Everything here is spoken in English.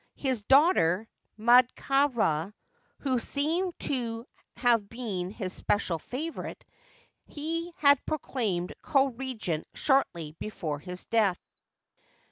His daughter, Md ka Rd, who seems to have been his special favorite, he had proclaimed co regent shortly before his death.